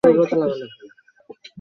আমি স্কুলে বাস্কেটবল খেলি।